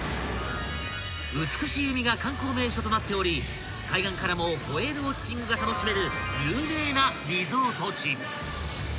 ［美しい海が観光名所となっており海岸からもホエールウオッチングが楽しめる］